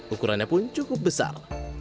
ukurannya pun cukup besar